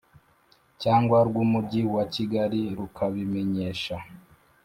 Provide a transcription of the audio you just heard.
Cyangwa rw umujyi wa kigali rukabimenyesha